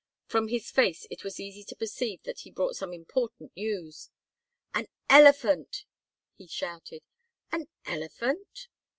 From his face it was easy to perceive that he brought some important news. "An elephant!" he shouted. "An elephant?"